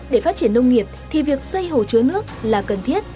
để phát triển nông nghiệp thì việc xây hồ chứa nước là cần thiết